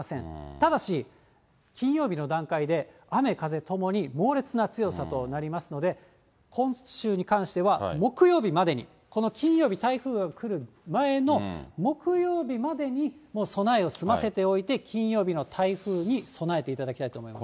ただし、金曜日の段階で雨風ともに猛烈な強さとなりますので、今週に関しては木曜日までに、この金曜日、台風が来る前の木曜日までにもう備えを済ませておいて、金曜日の台風に備えていただきたいと思います。